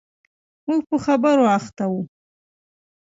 موږ په خبرو اخته و.